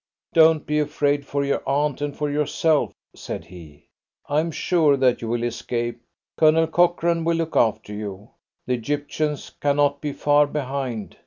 "Don't be afraid for your aunt and for yourself," said he. "I am sure that you will escape. Colonel Cochrane will look after you. The Egyptians cannot be far behind.